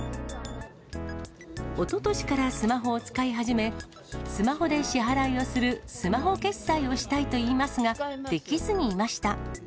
おととしからスマホを使い始め、スマホで支払いをするスマホ決済をしたいといいますが、できずにいました。